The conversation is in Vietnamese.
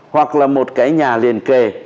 hoặc là một cái nhà liền kề